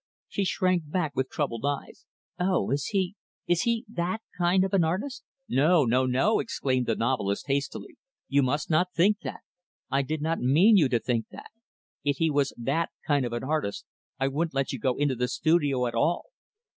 She shrank back, with troubled eyes, "Oh! is he is he that kind of an artist?" "No, no, no!" exclaimed the novelist, hastily. "You must not think that. I did not mean you to think that. If he was that kind of an artist, I wouldn't let you go into the studio at all.